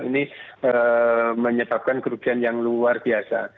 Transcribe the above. ini menyebabkan kerugian yang luar biasa